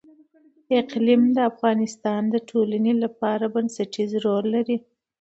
اقلیم د افغانستان د ټولنې لپاره بنسټيز رول لري.